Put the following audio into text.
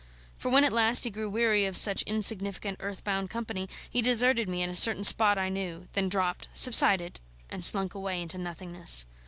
For when at last he grew weary of such insignificant earthbound company, he deserted me at a certain spot I knew; then dropped, subsided, and slunk away into nothingness.